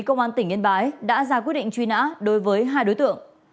cơ quan tỉnh yên bái đã ra quy định truy nã đối với hai đối tượng